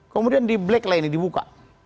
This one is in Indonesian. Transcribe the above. kemudian di black line dibuka